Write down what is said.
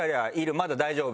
まだ大丈夫？